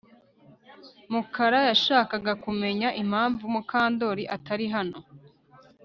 Mukara yashakaga kumenya impamvu Mukandoli atari hano